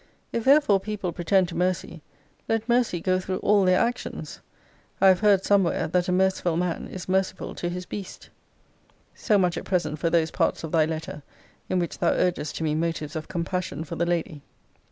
If therefore people pretend to mercy, let mercy go through all their actions. I have heard somewhere, that a merciful man is merciful to his beast. So much at present for those parts of thy letter in which thou urgest to me motives of compassion for the lady.